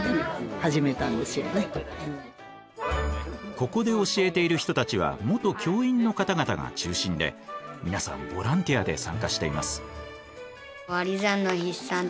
ここで教えている人たちは元教員の方々が中心で皆さんボランティアで参加しています。